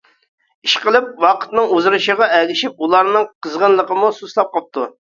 ئىشقىلىپ ۋاقىتنىڭ ئۇزىرىشىغا ئەگىشىپ ئۇلارنىڭ قىزغىنلىقىمۇ سۇسلاپ قاپتۇ.